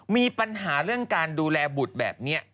มีปัญหาเรื่องการดูแลบุตรแบบนี้